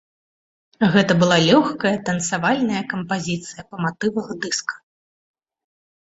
Гэта была лёгкая танцавальная кампазіцыя па матывах дыска.